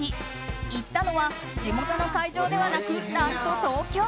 行ったのは地元の会場ではなく何と東京。